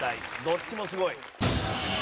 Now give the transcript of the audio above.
どっちもすごい。